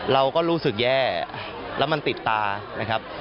เราก็รู้สึกแย่แล้วมันติดตานะครับ